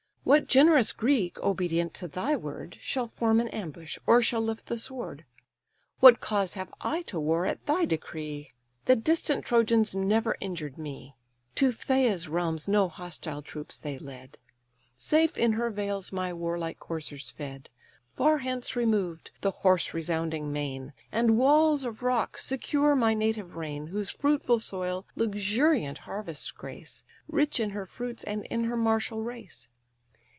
What generous Greek, obedient to thy word, Shall form an ambush, or shall lift the sword? What cause have I to war at thy decree? The distant Trojans never injured me; To Phthia's realms no hostile troops they led: Safe in her vales my warlike coursers fed; Far hence removed, the hoarse resounding main, And walls of rocks, secure my native reign, Whose fruitful soil luxuriant harvests grace, Rich in her fruits, and in her martial race.